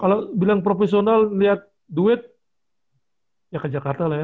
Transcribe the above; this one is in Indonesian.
kalau bilang profesional lihat duit ya ke jakarta lah ya